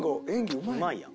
うまいやん。